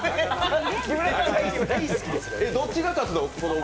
どっちが立つの？